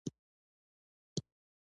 اردو ژبی کالم لیکوال یاسر پیرزاده وايي.